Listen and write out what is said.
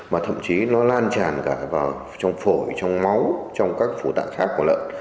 mà thậm chí nó lan tràn cả vào trong phổi trong máu trong các phổ tạng khác của lợn